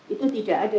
itu tidak ada